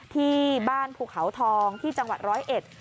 ที่บ้านภูเขาทองที่จังหวัดร้อยเอ็ด